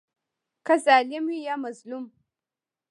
که ظالم وي یا مظلوم.